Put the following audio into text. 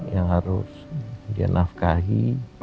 yang harus dia nafkahi